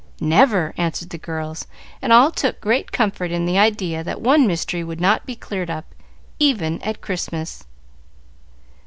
"Never!" answered the girls, and all took great comfort in the idea that one mystery would not be cleared up, even at Christmas.